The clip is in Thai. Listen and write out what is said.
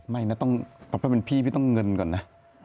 ไม่นะต้องเอาถ้าเป็นพี่พี่ต้องเงินก่อนนะ